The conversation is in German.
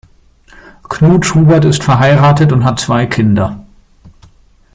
Knut Schubert ist verheiratet und hat zwei Kinder.